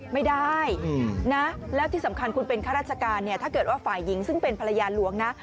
ไม่ได้นะแล้วที่สำคัญคุณเป็นข้าราชการเนี่ยถ้าเกิดว่าฝ่ายหญิงซึ่งเป็นภรรยาหลวงนะ